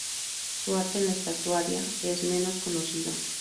Su arte en la estatuaria es menos conocido.